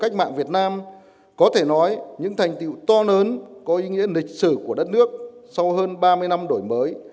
cách mạng việt nam có thể nói những thành tiệu to lớn có ý nghĩa lịch sử của đất nước sau hơn ba mươi năm đổi mới